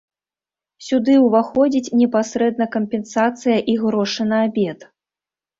Сюды ўваходзіць непасрэдна кампенсацыя і грошы на абед.